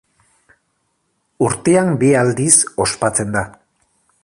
Urtean bi aldiz ospatzen da.